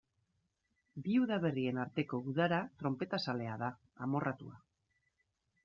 Bi udaberrien arteko udara tronpetazalea da, amorratua.